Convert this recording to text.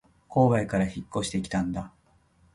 郊外から引っ越してきたんだ